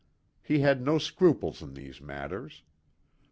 He had no scruples in these matters.